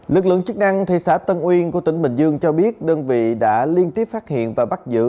lực lượng chức năng thị xã tân uyên của tỉnh bình dương cho biết đơn vị đã liên tiếp phát hiện và bắt giữ